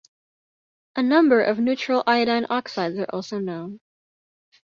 A number of neutral iodine oxides are also known.